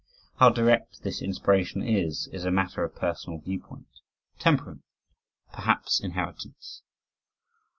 How direct this inspiration is is a matter of personal viewpoint, temperament, perhaps inheritance.